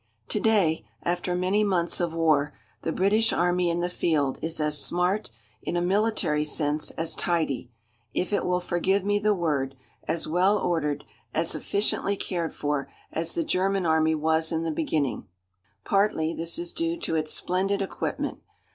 To day, after many months of war, the British Army in the field is as smart, in a military sense, as tidy if it will forgive me the word as well ordered, as efficiently cared for, as the German Army was in the beginning. Partly this is due to its splendid equipment.